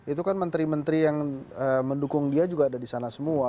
itu kan menteri menteri yang mendukung dia juga ada di sana semua